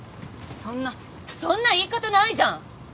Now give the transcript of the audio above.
そんなそんな言い方ないじゃん！